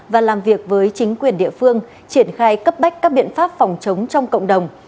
và làm việc với chính quyền địa phương triển khai cấp bách các biện pháp phòng chống trong cộng đồng